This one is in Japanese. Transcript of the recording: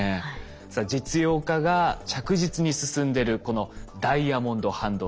さあ実用化が着実に進んでるこのダイヤモンド半導体。